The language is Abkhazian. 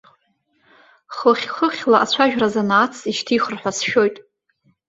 Хыхь-хыхьла ацәажәара занааҭс ишьҭихыр ҳәа сшәоит.